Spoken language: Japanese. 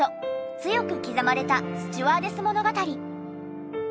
強く刻まれた『スチュワーデス物語』。